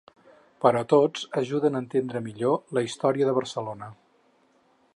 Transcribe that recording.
Però tots ajuden a entendre millor la història de Barcelona.